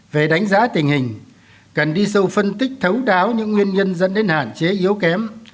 về đánh giá tình hình cần đi sâu phân tích thấu đáo những nguyên nhân dẫn đến hạn chế yếu kém